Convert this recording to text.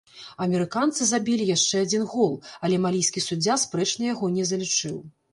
Амерыканцы забілі яшчэ адзін гол, але малійскі суддзя спрэчна яго не залічыў.